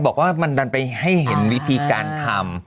บอกว่ามันดันไปให้เห็นวิธีการทำ